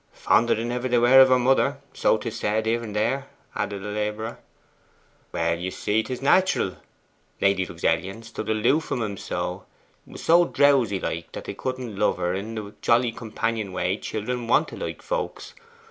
'Fonder than ever they were of their mother, so 'tis said here and there,' added a labourer. 'Well, you see, 'tis natural. Lady Luxellian stood aloof from 'em so was so drowsy like, that they couldn't love her in the jolly companion way children want to like folks.